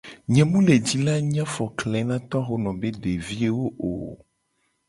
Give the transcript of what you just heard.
Nye mu le ji la nyi afokle na tohono be deviwo o.